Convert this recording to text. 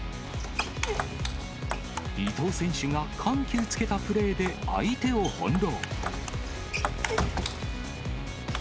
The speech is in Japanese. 伊藤選手が緩急つけたプレーで、相手を翻弄。